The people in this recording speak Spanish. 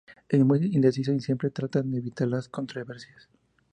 Es muy indecisa y siempre trata de evitar las controversias.